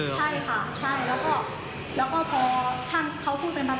กูยังไม่ได้แกะรถอ่ะค่ะอืมก็คืออย่ากูยังไม่ได้แกะก็หมายความว่าเขายังไม่ทราบว่าอะไรเสียได้ซ้ำ